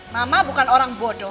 mama bukan orang bodoh